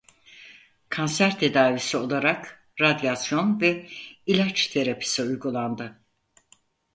Kanser tedavisi olarak radyasyon ve ilaç terapisi uygulandı.